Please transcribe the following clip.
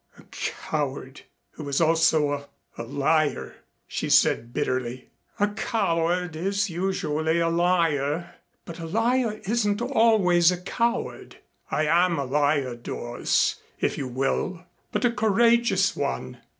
"A coward who is also a a liar," she said bitterly. "A coward is usually a liar, but a liar isn't always a coward. I am a liar, Doris, if you will, but a courageous one."